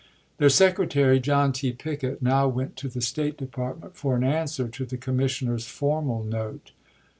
Their secretary, John T. Pickett, now went to the State Department for an answer to the com missioners' formal note.